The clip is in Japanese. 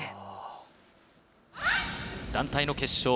団体の決勝。